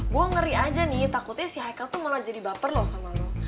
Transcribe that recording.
gue ngeri aja nih takutnya si haikal tuh malah jadi baper loh sama lo